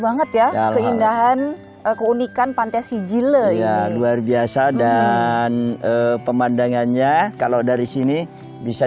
banget ya keindahan keunikan pantai sijile ya luar biasa dan pemandangannya kalau dari sini bisa